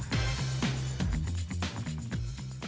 membuatnya punya ciri fashion tersendiri